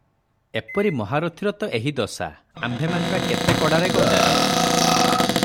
ଏପରି ମହାରଥୀର ତ ଏହି ଦଶା, ଆମ୍ଭେମାନେ ବା କେତେ କଡ଼ାରେ ଗଣ୍ତାର ।